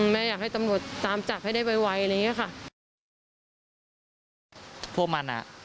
แม่อยากให้ตำรวจตามจับให้ได้ไวอะไรอย่างนี้ค่ะ